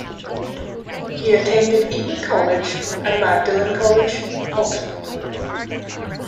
He attended Eton College and Magdalen College, Oxford.